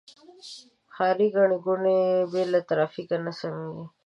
ښاري ګڼه ګوڼه بې له ترافیکه نه سمېږي.